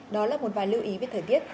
đó là một vài lưu ý về thời tiết